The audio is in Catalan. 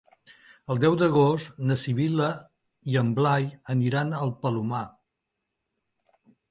El deu d'agost na Sibil·la i en Blai aniran al Palomar.